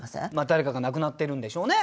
誰かが亡くなってるんでしょうね。